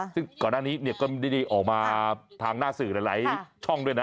ซึ่งก่อนหน้านี้ก็ไม่ได้ออกมาทางหน้าสื่อหลายช่องด้วยนะ